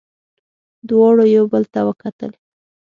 دواړو یو بل ته وکتل.